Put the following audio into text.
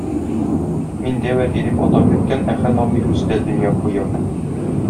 мин дәү әти дип атап йөрткән Әхәт абый үзе дә дөнья куя.